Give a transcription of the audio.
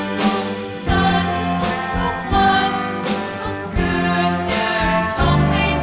ขอบความจากฝ่าให้บรรดาดวงคันสุขสิทธิ์